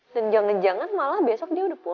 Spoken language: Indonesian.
dan jangan jangan malah besok dia udah pulang